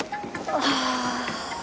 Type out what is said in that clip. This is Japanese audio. ああ。